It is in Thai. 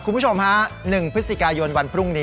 คุณผู้ชมฮะ๑พฤศจิกายนวันพรุ่งนี้